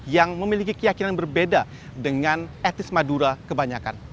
yang memiliki keyakinan berbeda dengan etnis madura kebanyakan